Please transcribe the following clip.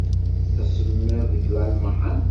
D asemmiḍ deg Lalman?